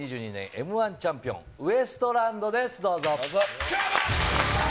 Ｍー１チャンピオン、ウエストランドです。